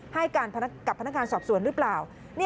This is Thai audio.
ให้กับพนักการณ์สอบสวนหรือเปล่า